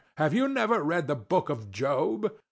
Have you never read the book of Job?